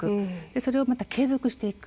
それをまた継続していく。